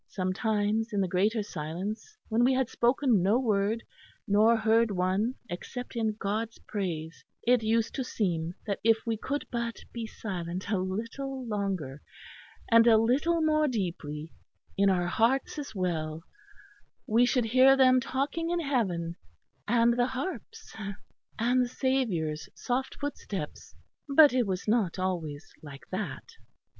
Sometimes in the Greater Silence, when we had spoken no word nor heard one except in God's praise, it used to seem that if we could but be silent a little longer, and a little more deeply, in our hearts as well, we should hear them talking in heaven, and the harps; and the Saviour's soft footsteps. But it was not always like that."